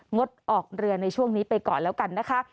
งดออกเรือในช่วงนี้ไปก่อนแล้วกันนะคะ